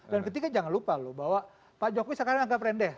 dan ketiga jangan lupa bahwa pak jokowi sekarang agak rendah